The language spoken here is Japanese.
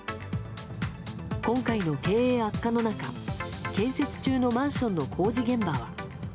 今回の経営悪化の中建設中のマンションの工事現場は。